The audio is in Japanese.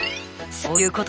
どういうこと？